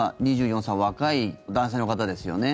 ２４歳、若い男性の方ですよね。